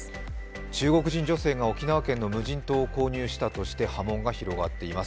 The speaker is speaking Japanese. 中国人女性が沖縄県の無人島を購入したとして波紋が広がっています。